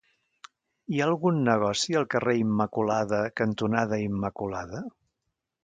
Hi ha algun negoci al carrer Immaculada cantonada Immaculada?